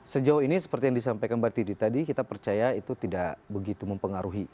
sejauh ini seperti yang disampaikan mbak titi tadi kita percaya itu tidak begitu mempengaruhi